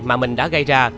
mà mình đã gây ra